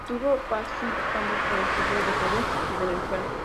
Tuvo pasos importantes por el fútbol de Perú y Venezuela.